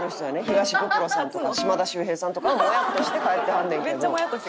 東ブクロさんとか島田秀平さんとかはモヤっとして帰ってはんねんけど。